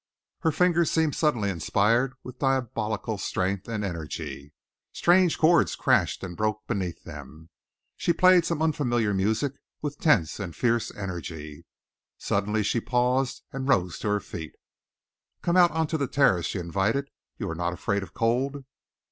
Her fingers seemed suddenly inspired with diabolical strength and energy. Strange chords crashed and broke beneath them. She played some unfamiliar music with tense and fierce energy. Suddenly she paused and rose to her feet. "Come out on to the terrace," she invited. "You are not afraid of cold?"